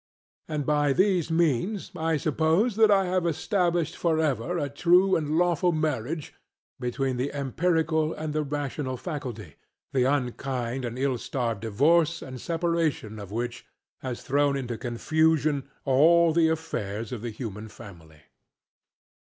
And by these means I suppose that I have established for ever a true and lawful marriage between the empirical and the rational faculty, the unkind and ill starred divorce and separation of which has thrown into confusion all the affairs of the human family.